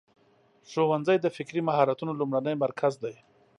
ښوونځی د فکري مهارتونو لومړنی مرکز دی.